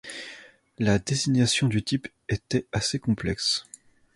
La désignation du type était assez complexe.